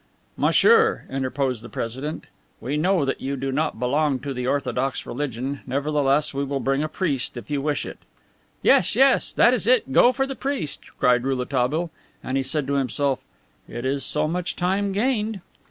"Monsieur," interposed the president, "we know that you do not belong to the orthodox religion; nevertheless, we will bring a priest if you wish it." "Yes, yes, that is it, go for the priest," cried Rouletabille. And he said to himself, "It is so much time gained."